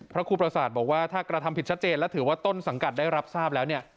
พระครูประสาทบอกว่าถ้ากระทำผิดชัดเจนและถือว่าต้นสังกัดได้รับทราบแล้วเนี่ย